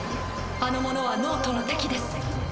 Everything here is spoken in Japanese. あの者は脳人の敵です。